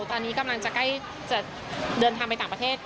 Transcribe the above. ตอนนี้กำลังจะใกล้จะเดินทางไปต่างประเทศ